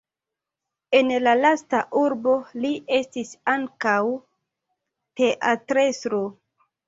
En la lasta urbo li estis ankaŭ teatrestro.